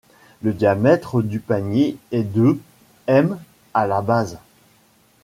Le diamètre du panier est de … m à la base.